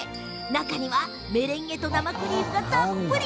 中にはメレンゲと生クリームがたっぷり。